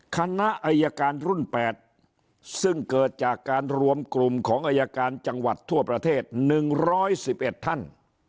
คณะอายการรุ่น๘ซึ่งเกิดจากการรวมกลุ่มของอายการจังหวัดทั่วประเทศ๑๑๑ท่าน